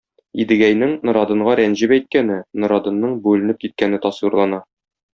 Идегәйнең Норадынга рәнҗеп әйткәне, Норадынның бүленеп киткәне тасвирлана.